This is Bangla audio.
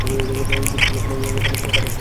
দ্বীপটি লবণ ও পান ব্যবসার প্রধান কেন্দ্র।